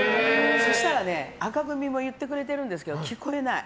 そしたらね紅組も言ってくれてるんですけど聞こえない。